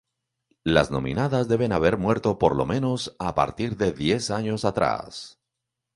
Las nominadas deben haber muerto por lo menos a partir de diez años atrás.